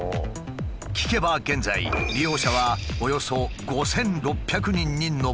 聞けば現在利用者はおよそ５，６００人に上るという。